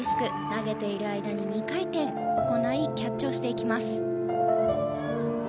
投げている間に２回転行いキャッチをしていきます。